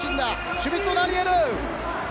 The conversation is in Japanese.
シュミット・ダニエル。